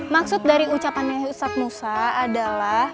maksud dari ucapannya ustadz musa adalah